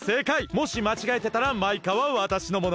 もしまちがえてたらマイカはわたしのもの。